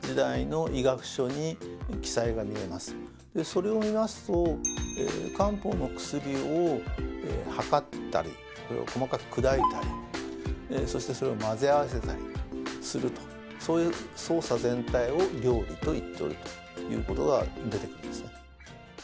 それを見ますと漢方の薬をはかったりそれを細かく砕いたりそしてそれを混ぜ合わせたりするとそういう操作全体を「料理」と言っておるということが出てくるんですね。